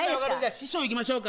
師匠行きましょうか。